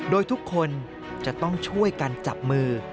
โดยทุกคนจะต้องช่วยกันจับมือ